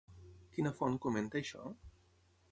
Quina font comenta això?